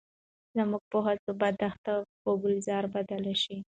زموږ په هڅو به دښته په ګلزار بدله شي.